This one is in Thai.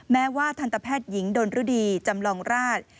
แม้ว่าทันตแพทย์หญิงดนรุดีจำลองราช